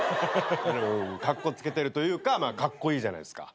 かっこつけてるというかカッコイイじゃないですか。